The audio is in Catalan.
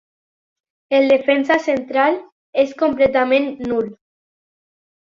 El defensa central és completament nul.